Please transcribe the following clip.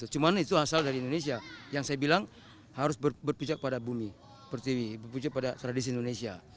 cuma itu asal dari indonesia yang saya bilang harus berpijak pada bumi berpijak pada tradisi indonesia